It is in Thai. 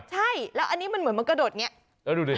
ใช่แล้วอันนี้มันเหมือนมันกระโดดอย่างนี้